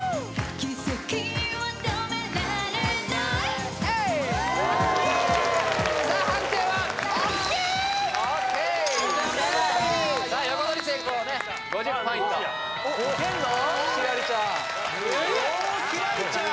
おきらりちゃん・